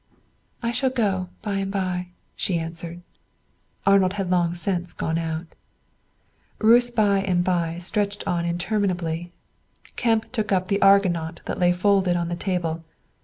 "I shall go by and by," she answered. Arnold had long since gone out. Ruth's by and by stretched on interminably. Kemp took up the "Argonaut" that lay folded on the table.